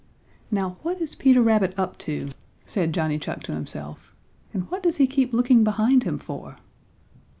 "Now what is Peter Rabbit up to?" said Johnny Chuck to himself, "and what does he keep looking behind him for?"